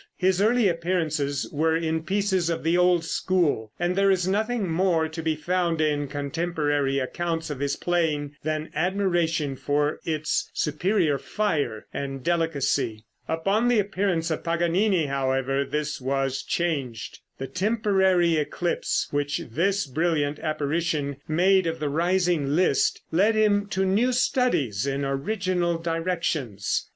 His early appearances were in pieces of the old school, and there is nothing more to be found in contemporary accounts of his playing than admiration for its superior fire and delicacy. Upon the appearance of Paganini, however, this was changed. The temporary eclipse, which this brilliant apparition made of the rising Liszt, led him to new studies in original directions.